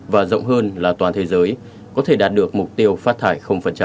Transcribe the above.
và rộng hơn là toàn thế giới có thể đạt được mục tiêu phát thải